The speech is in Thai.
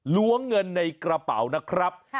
ล้วงเงินในกระเป๋านะครับ